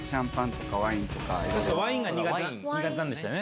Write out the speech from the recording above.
ワインが苦手なんでしたよね。